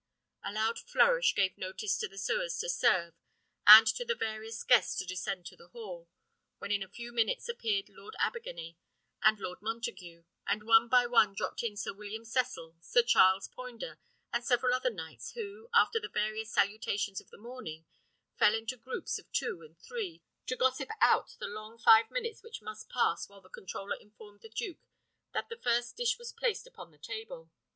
A loud flourish gave notice to the sewers to serve, and to the various guests to descend to the hall, when in a few minutes appeared Lord Abergany and Lord Montague, and one by one dropped in Sir William Cecil, Sir Charles Poynder, and several other knights, who, after the various salutations of the morning, fell into groups of two and three, to gossip out the long five minutes which must pass while the controller informed the duke that the first dish was placed upon the table.